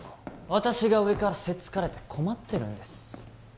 私が上からせっつかれて困ってるんです